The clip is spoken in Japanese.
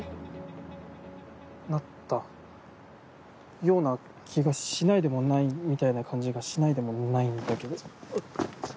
なったような気がしないでもないみたいな感じがしないでもないんだけどあっ！